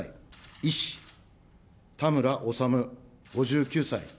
医師、田村修５９歳。